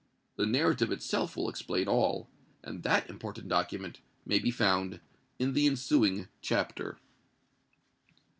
The narrative itself will explain all; and that important document may be found in the ensuing chapter.